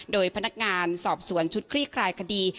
โดยพนักงานสอบสวนชุดคลี่คลายคดี